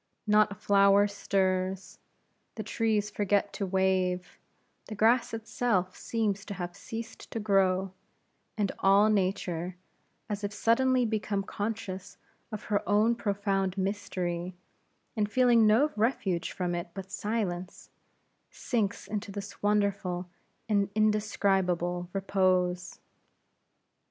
Not a flower stirs; the trees forget to wave; the grass itself seems to have ceased to grow; and all Nature, as if suddenly become conscious of her own profound mystery, and feeling no refuge from it but silence, sinks into this wonderful and indescribable repose.